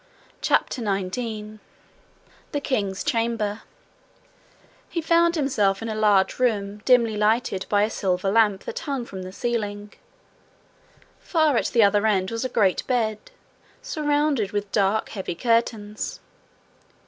CHAPTER 19 The King's Chamber He found himself in a large room, dimly lighted by a silver lamp that hung from the ceiling. Far at the other end was a great bed, surrounded with dark heavy curtains.